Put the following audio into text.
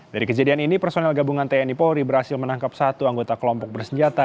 dari kejadian ini personel gabungan tni polri berhasil menangkap satu anggota kelompok bersenjata